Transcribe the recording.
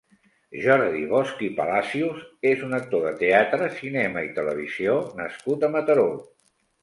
Jordi Bosch i Palacios és un actor de teatre, cinema i televisió nascut a Mataró.